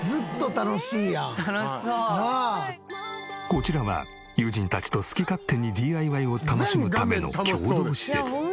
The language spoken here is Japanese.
こちらは友人たちと好き勝手にＤＩＹを楽しむための共同施設。